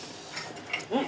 うん！